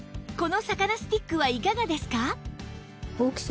この魚スティックはいかがですか？